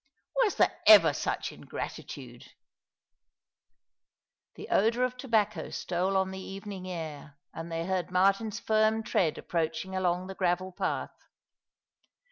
Was there ever such ingratitude ?" The odour of tobacco stole on the evening air, and they heard Martin's firm tread approaching along the gravel path.